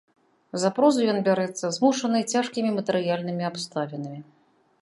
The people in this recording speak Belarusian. За прозу ён бярэцца, змушаны цяжкімі матэрыяльнымі абставінамі.